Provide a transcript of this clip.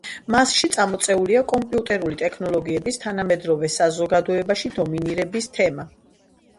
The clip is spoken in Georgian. მასში წამოწეულია კომპიუტერული ტექნოლოგიების თანამედროვე საზოგადოებაში დომინირების თემა.